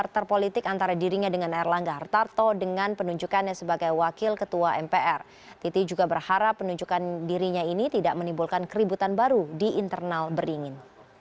titi juga berharap penunjukan dirinya ini tidak menimbulkan keributan baru di internal beringin